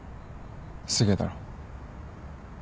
すげえだろ？